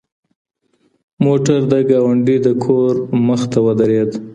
موټر د ګاونډي د کور مخې ته ودرېد.